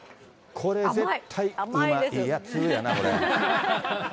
これ絶対うまいやつーやな。